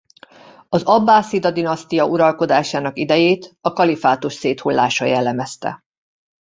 Az Abbászida-dinasztia uralkodásának idejét a Kalifátus széthullása jellemezte.